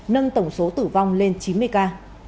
nâng tổng số tử vong lên chín mươi ca